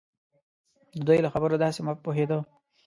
د دوی له خبرو داسې پوهېده.